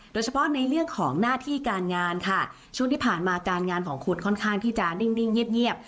โดยเฉพาะในเรื่องของหน้าที่การงานค่ะช่วงที่ผ่านมาการงานของคุณค่อนข้างที่จะนิ่งเงียบ